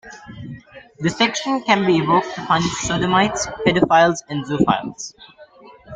The section can be evoked to punish sodomites, pedophiles and zoophiles.